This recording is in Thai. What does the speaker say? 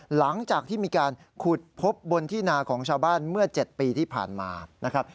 หลังจากที่มีการขุดพบบนที่นาของชาวบ้านเมื่อ๗ปีที่ผ่านมานะครับ